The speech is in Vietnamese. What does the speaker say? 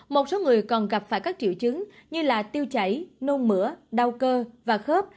một số người còn gặp phải các triệu chứng như tiêu chảy nôn mửa đau cơ và khớp